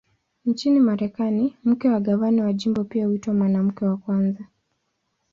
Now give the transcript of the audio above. Nchini Marekani, mke wa gavana wa jimbo pia huitwa "Mwanamke wa Kwanza".